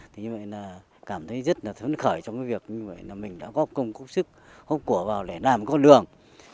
thì như vậy là cảm thấy rất là phấn khởi trong cái việc như vậy là mình đã góp công góp sức góp quả vào để làm cái đường